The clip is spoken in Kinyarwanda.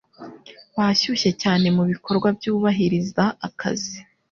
Bashyushye cyane mubikorwa byubahiriza akazi